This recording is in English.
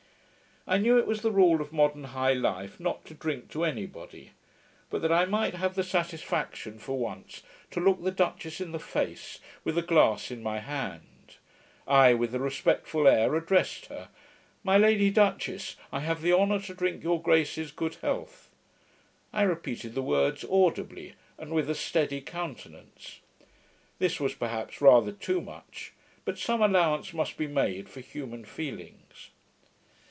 I knew it was the rule of modern high life not to drink to any body; but, that I might have the satisfaction for once to look the duchess in the face, with a glass in my hand, I with a respectful air addressed her, 'My Lady Duchess, I have the honour to drink your grace's good health.' I repeated the words audibly, and with a steady countenance. This was, perhaps, rather too much; but some allowance must be made for human feelings.